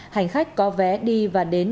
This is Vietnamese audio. hành khách có vé đi và đến